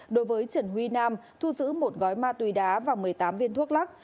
đối với trần huy nam thu giữ một gói ma túy đá và một mươi tám viên thuốc lắc